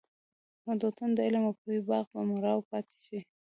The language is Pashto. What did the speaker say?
نو د وطن د علم او پوهې باغ به مړاوی پاتې شي.